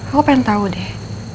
aku pengen tau deh